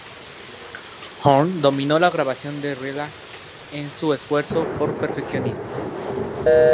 Horn dominó la grabación de "Relax" en su esfuerzo por perfeccionismo.